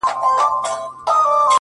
سپوږميه کړنگ وهه راخېژه وايم ـ